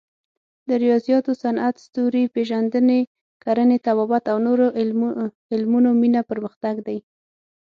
د ریاضیاتو، صنعت، ستوري پېژندنې، کرنې، طبابت او نورو علومو مینه پرمختګ دی.